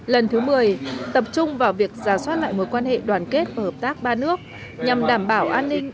lần thứ một mươi tập trung vào việc giả soát lại mối quan hệ đoàn kết và hợp tác ba nước nhằm đảm bảo an ninh